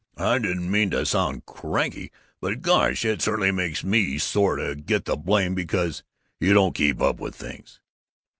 "I didn't mean to sound cranky, but gosh, it certainly makes me sore to get the blame because you don't keep up with things."